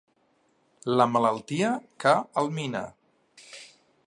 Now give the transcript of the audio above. La malaltia que el mina.